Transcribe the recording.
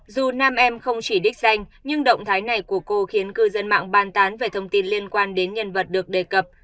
dù nam em không chỉ đích danh nhưng động thái này của cô khiến cư dân mạng ban tán về thông tin liên quan đến nhân vật được đề cập